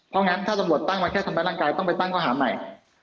เพราะงั้นถ้าตำรวจตั้งมาแค่ทำร้ายร่างกายต้องไปตั้งข้อหาใหม่